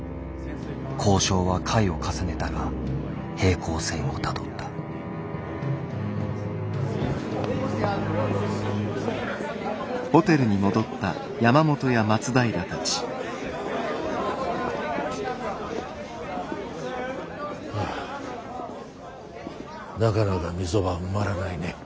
交渉は回を重ねたが平行線をたどったはあなかなか溝が埋まらないね。